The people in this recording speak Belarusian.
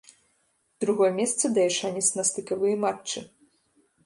Другое месца дае шанец на стыкавыя матчы.